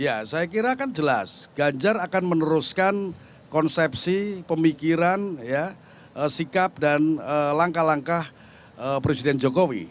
ya saya kira kan jelas ganjar akan meneruskan konsepsi pemikiran sikap dan langkah langkah presiden jokowi